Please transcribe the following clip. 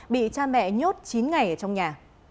bị cha mẹ nhốt chín ngày ở trong nhà